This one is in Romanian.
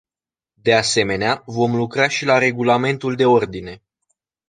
De asemenea, vom lucra și la regulamentul de ordine.